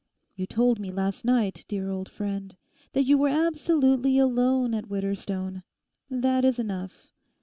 You told me last night, dear old friend, that you were absolutely alone at Widderstone. That is enough.